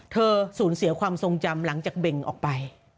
สูญเสียความทรงจำหลังจากเบ่งออกไป